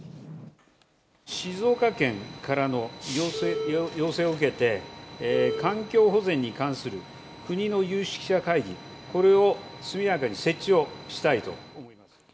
静岡県からの要請を受けて、環境保全に関する国の有識者会議、これを速やかに設置をしたいと思います。